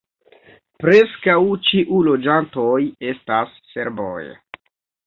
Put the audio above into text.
Preskaŭ ĉiu loĝantoj estas serboj.